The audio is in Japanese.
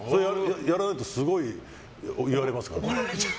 やらないとすごい言われますから。